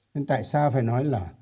nên tại sao phải nói là